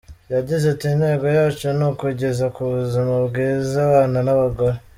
Yagize ati” Intego yacu ni ukugeza ku buzima bwiza abana n’abagore.